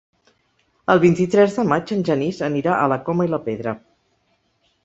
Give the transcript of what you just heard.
El vint-i-tres de maig en Genís anirà a la Coma i la Pedra.